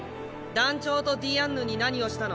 団長とディアンヌに何をしたの？